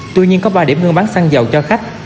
tuy nhiên có ba điểm mua bán xăng dầu cho khách